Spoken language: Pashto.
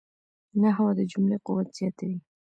نحوه د جملې قوت زیاتوي.